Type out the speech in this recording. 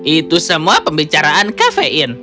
itu semua pembicaraan kafein